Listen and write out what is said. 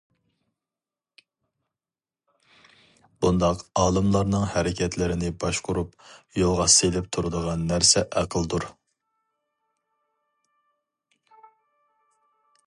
بۇنداق ئالىملارنىڭ ھەرىكەتلىرىنى باشقۇرۇپ، يولغا سېلىپ تۇرىدىغان نەرسە ئەقىلدۇر.